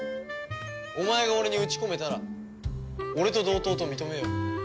お前が俺に打ち込めたら俺と同等と認めよう。